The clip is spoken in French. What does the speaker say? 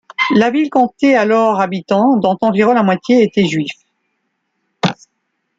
La ville comptait alors habitants, dont environ la moitié étaient juifs.